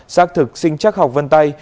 xác thực sinh chắc học vân tay